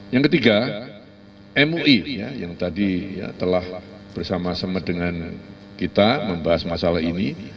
yang ketiga mui yang tadi telah bersama sama dengan kita membahas masalah ini